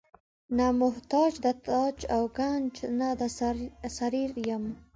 نه محتاج د تاج او ګنج نه د سریر یم.